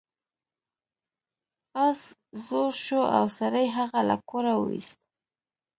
اس زوړ شو او سړي هغه له کوره وویست.